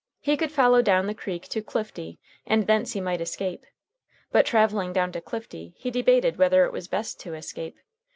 He could follow down the creek to Clifty, and thence he might escape. But, traveling down to Clifty, he debated whether it was best to escape.